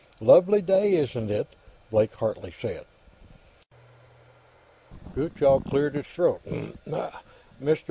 Lovely day, isn't it?" Blake Hartley said. Gutchall cleared his throat. "Mr.